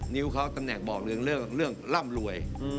นิ้วเขาทำหนักบอกเรื่องเรื่องร่ำรวย